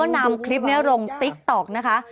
น้ำคลิปลงติ๊กท็อกนะคะ